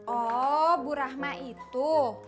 oh bu rahma itu